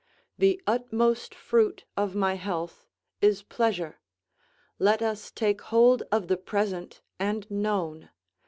The utmost fruit of my health is pleasure; let us take hold of the present and known.